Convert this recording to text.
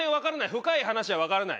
深い話はわからない。